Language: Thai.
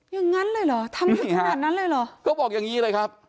อย่างนั้นเลยเหรอทำอย่างนั้นนั้นเลยเหรอนี่ฮะก็บอกอย่างนี้เลยครับ